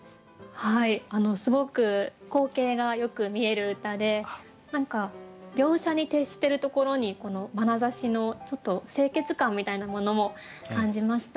すごく光景がよく見える歌で何か描写に徹してるところにこのまなざしのちょっと清潔感みたいなものも感じました。